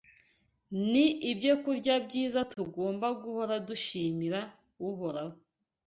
ni ibyokurya byiza tugomba guhora dushimira Uhoraho